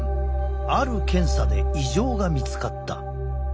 ある検査で異常が見つかった。